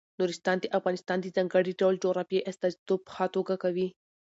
نورستان د افغانستان د ځانګړي ډول جغرافیې استازیتوب په ښه توګه کوي.